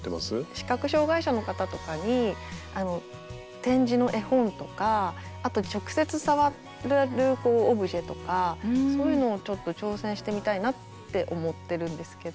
視覚障害者の方とかに点字の絵本とかあと直接触れるオブジェとかそういうのをちょっと挑戦してみたいなって思ってるんですけど。